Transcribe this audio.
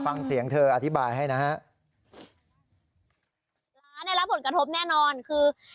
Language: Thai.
ฟังเสียงเธออธิบายให้นะฮะร้านได้รับผลกระทบแน่นอนคือ